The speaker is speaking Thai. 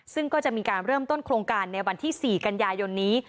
ซึ่งก็จะมีการเริ่มต้นโครงการในวันที่๔กันยายนนี้